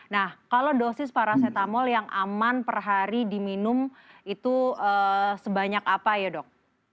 nah kalau dosis paracetamol yang aman per hari diminum itu sebanyak apa ya dok